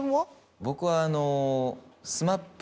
僕はあの。